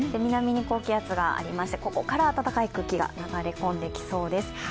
南に高気圧がありましてここから暖かい空気が流れ込んできそうです。